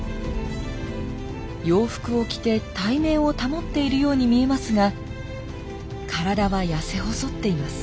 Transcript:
洋服を着て体面を保っているように見えますが体はやせ細っています。